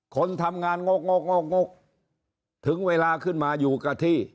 คนทำงานงกงกงกงกถึงเวลาขึ้นมาอยู่กับที่